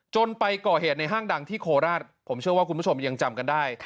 ไปก่อเหตุในห้างดังที่โคราชผมเชื่อว่าคุณผู้ชมยังจำกันได้